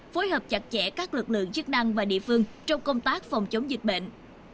phối hợp chặt chẽ các lực lượng chức năng và địa phương trong công tác phòng chống dịch bệnh